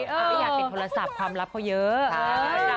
เขาไม่อยากติดโทรศัพท์ความลับเขาเยอะ